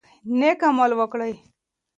نیک عمل وکړئ.